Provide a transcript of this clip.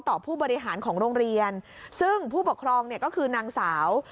ผู้บริหารของโรงเรียนซึ่งผู้ปกครองเนี่ยก็คือนางสาว